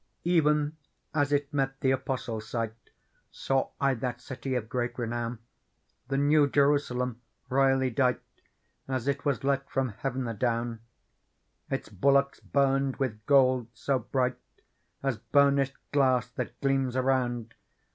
Even as it met the Apostle's sight. Saw I that city of great renpwn, The New Jerusalem, royall/ dight As it was let from heaven adowP Its bulwarks burned with gold^so bright, As burnished glass that gleams around.